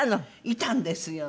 いたんですよ。